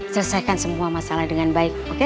selesaikan semua masalah dengan baik oke